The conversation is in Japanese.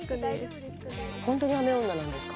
本当に雨女なんですか？